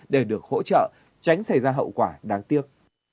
để được hỗ trợ tránh xảy ra hậu quả đáng tiếc